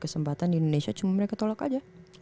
kesempatan di indonesia cuma mereka tolak aja